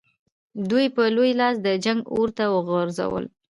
دوی په لوی لاس د جنګ اور ته وغورځول.